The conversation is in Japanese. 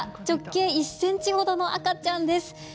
直径１ｃｍほどの赤ちゃんです。